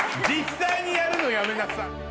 実際にやるのやめなさい。